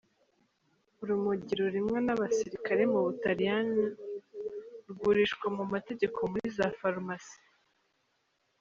Urumogi rurimwa n'abasirikare mu Butaliyano, rugurishwa mu mategeko muri za farumasi.